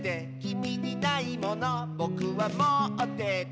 「きみにないものぼくはもってて」